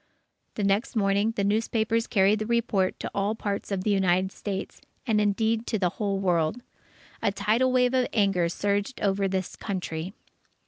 The next morning, the newspapers carried the report to all parts of the United States, and, indeed, to the whole world. A tidal wave of anger surged over this Country.